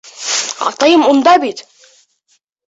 Атайым унда бит!